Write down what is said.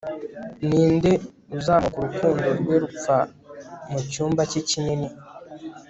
ninde uzamuka urukundo rwe rupfa mucyumba cye kinini